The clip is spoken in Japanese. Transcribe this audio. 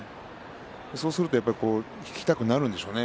そうすると引きたくなるんでしょうね。